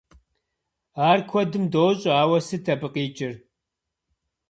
Ар куэдым дощӏэ, ауэ сыт абы къикӏыр?